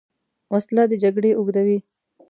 وسله د جګړې اوږدوې